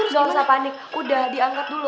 jangan panik udah diangkat dulu